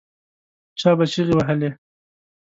چا به چیغې وهلې.